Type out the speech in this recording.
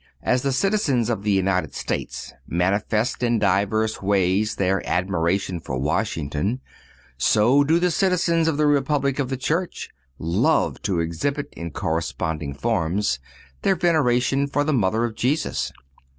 As the citizens of the United States manifest in divers ways their admiration for Washington, so do the citizens of the republic of the Church love to exhibit in corresponding forms their veneration for the Mother of Jesus.